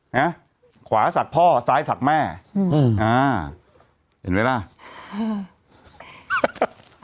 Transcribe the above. นะขวาศักดิ์พ่อซ้ายศักดิ์แม่อืมอ่าเห็นไหมล่ะอืม